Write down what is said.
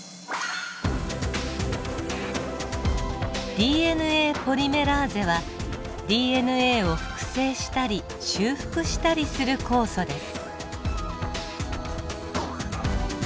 ＤＮＡポリメラーゼはＤＮＡを複製したり修復したりする酵素です。